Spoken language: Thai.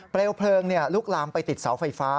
เปลวเพลิงเนี่ยลุกลามไปติดเสาไฟฟ้า